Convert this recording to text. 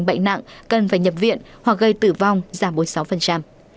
bệnh nặng cần phải nhập viện hoặc gây tử vong giảm bốn mươi sáu